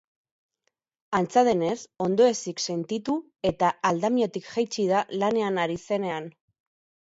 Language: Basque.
Antza denez, ondoezik sentitu eta aldamiotik jaitsi da lanean ari zenean.